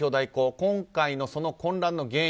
今回の混乱の原因